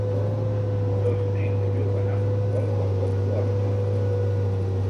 Dos nens juguen a futbol de "Pop Warner".